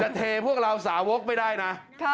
เทพวกเราสาวกไม่ได้นะ